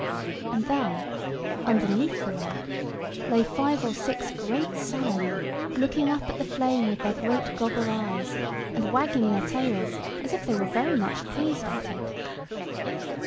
And there, underneath the light, lay five or six great salmon, looking up at the flame with their great goggle eyes, and wagging their tails, as if they were very much pleased at it.